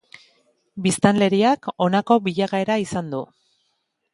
Biztanleriak honako bilakaera izan du.